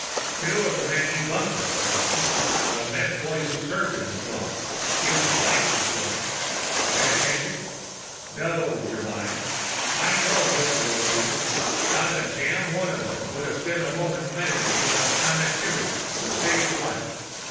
Two of the men he bunked with are gone; the mess boy who served him is gone; his wife is gone. Meditation? No, Germyn. I know most of those people. Not a damned one of them would have spent a moment Meditating on Connectivity to save his life.